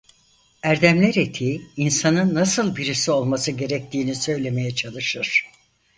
Erdemler etiği insanın nasıl birisi olması gerektiğini söylemeye çalışır.